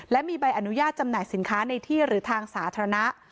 และมีใบอนุญาตจำหน่ายสินค้าในที่หรือทางสาธารณะ